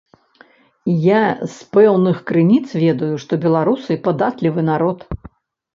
Я з пэўных крыніц ведаю, што беларусы падатлівы народ.